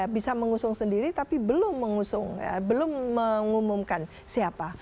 bisa mengusung sendiri tapi belum mengusung belum mengumumkan siapa